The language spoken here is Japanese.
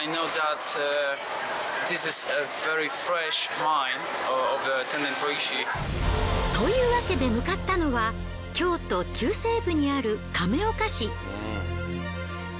うぉ！というわけで向かったのは京都中西部にある亀岡市。